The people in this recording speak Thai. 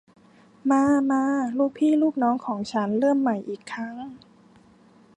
มา มา ลูกพี่ลูกน้องของฉัน เริ่มใหม่อีกครั้ง